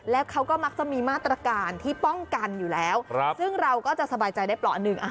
แล้วเขาก็มักจะมีมาตรการที่ป้องกันอยู่แล้วซึ่งเราก็จะสบายใจได้เปราะหนึ่ง